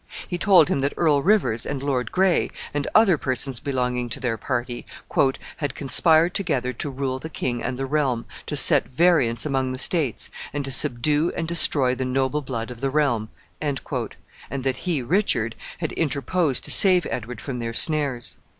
He told him that Earl Rivers, and Lord Gray, and other persons belonging to their party, "had conspired together to rule the kynge and the realme, to sette variance among the states, and to subdue and destroy the noble blood of the realme," and that he, Richard, had interposed to save Edward from their snares.